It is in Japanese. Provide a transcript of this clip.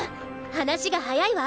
話が早いわ！